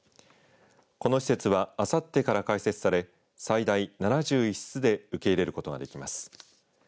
この施設はあさってから開設され最大７１室で受け入れることできます。